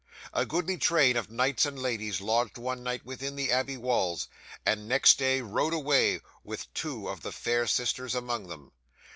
A goodly train of knights and ladies lodged one night within the abbey walls, and next day rode away, with two of the fair sisters among them.